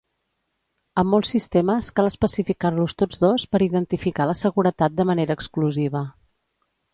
En molts sistemes, cal especificar-los tots dos per identificar la seguretat de manera exclusiva.